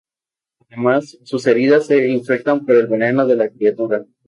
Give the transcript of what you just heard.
Además, sus heridas se infectan por el veneno de la criatura.